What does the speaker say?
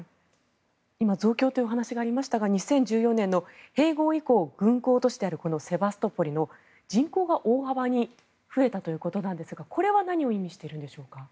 今、増強という話がありましたが２０１４年の併合以降軍港都市であるセバストポリの人口が大幅に増えたということですがこれは何を意味していますか？